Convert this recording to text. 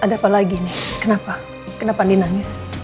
ada apalagi nih kenapa kenapa andi nangis